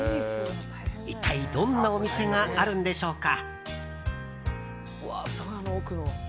一体、どんなお店があるんでしょうか？